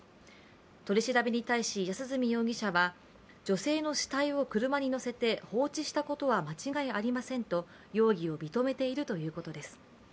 取り調べに対し安栖容疑者は女性の遺体を車に乗せて放置したことは間違いありませんと容疑を認めているということです。